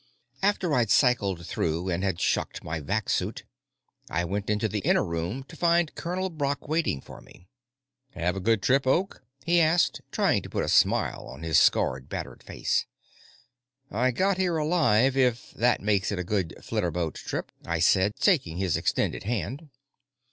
After I'd cycled through and had shucked my vac suit, I went into the inner room to find Colonel Brock waiting for me. "Have a good trip, Oak?" he asked, trying to put a smile on his scarred, battered face. "I got here alive, if that makes it a good flitterboat trip," I said, shaking his extended hand.